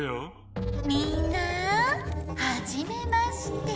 みんなはじめまして。